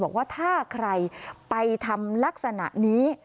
บอกว่าถ้าใครไปทำลักษณะนี้